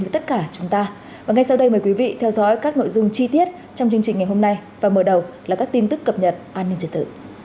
thưa quý vị theo dõi các nội dung chi tiết trong chương trình ngày hôm nay và mở đầu là các tin tức cập nhật an ninh trật tự